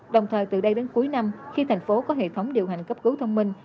đồng thời từ đây đến cuối năm khi thành phố có hệ thống điều hành cấp cứu thông minh